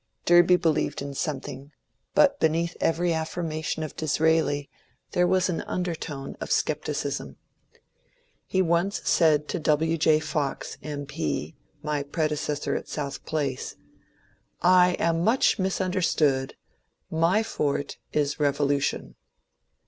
Derby believed in something ; but beneath every affirmation of Disraeli there was an undertone of scepticism. He once said to W. J. Fox, M. P., my predecessor at South Place :^^ I am much misunderstood ; my forte is revolution."